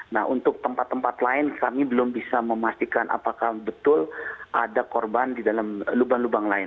nah untuk tempat tempat lain kami belum bisa memastikan apakah betul ada korban di dalam lubang lubang lain